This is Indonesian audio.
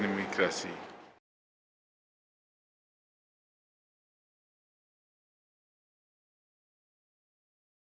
ibu ratna sarumpait